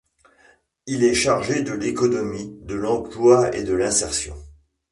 Il est chargé de l'économie, de l'emploi et de l'insertion.